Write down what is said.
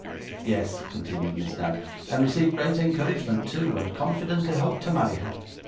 'Yes,' continued Miss Knag, 'and received great encouragement too, and confidently hoped to marry her.